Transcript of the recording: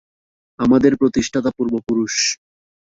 আমাদের প্রতিষ্ঠাতা পূর্বপুরুষ।